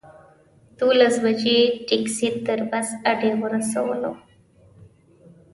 دولس بجې ټکسي تر بس اډې ورسولو.